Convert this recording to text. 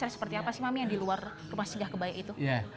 seperti apa sih mami yang di luar rumah singgah kebaya itu